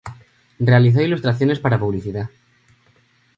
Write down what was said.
Realizó ilustraciones para publicidad.